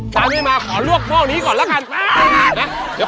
จ้านไม่มาขอลวกมองนี้ก่อนแล้วกัน